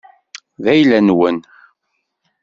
D ayla-nwen.